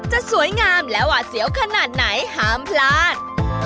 จะสวยงามและหวาเสียวขนาดไหนห้ามพลาด